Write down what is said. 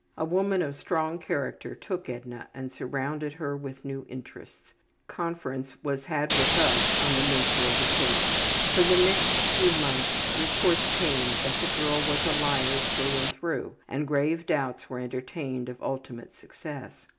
A woman of strong character took Edna and surrounded her with new interests. Conference was had with us on the nature of the case. For the next few months reports came that the girl was a liar through and through and grave doubts were entertained of ultimate success.